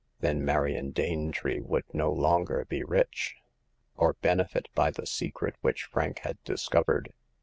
Then Marion Danetree would no longer be rich, or benefit by the secret which Frank had discovered.